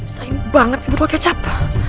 saya banget sebut lo kecap